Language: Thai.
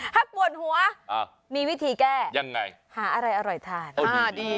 ถ้าปวดหัวมีวิธีแก้ยังไงหาอะไรอร่อยทานดี